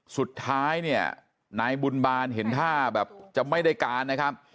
สุดท้ายเนี่ยนายบุญบาลเห็นท่าแบบจะไม่ได้การนะครับ